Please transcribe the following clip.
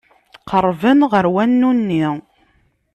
Qerrben ɣer wanu-nni.